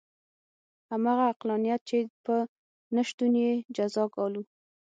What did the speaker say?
همغه عقلانیت چې په نه شتون یې جزا ګالو.